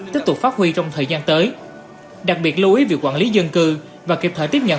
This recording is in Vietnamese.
tiếp tục phát huy trong thời gian tới đặc biệt lưu ý việc quản lý dân cư và kịp thời tiếp nhận